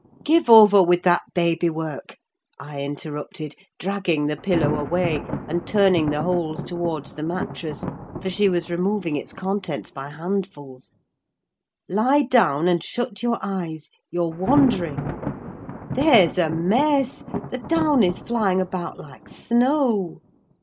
"Give over with that baby work!" I interrupted, dragging the pillow away, and turning the holes towards the mattress, for she was removing its contents by handfuls. "Lie down and shut your eyes: you're wandering. There's a mess! The down is flying about like snow."